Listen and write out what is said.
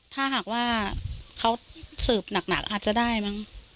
ถ้าหากว่าเขาสืบหนักอาจจะได้มั้ง